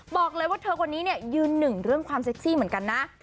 บอกเลยว่าเธอคนนี้เนี่ยยืนหนึ่งเรื่องความเซ็กซี่เหมือนกันนะ